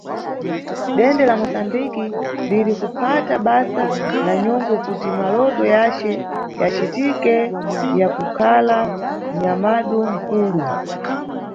Dende la Musambiki liri kuphata basa na nyongo kuti maloto yace yacitike ya kukhala nyamadu nkulu.